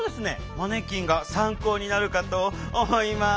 マネキンが参考になるかと思います！？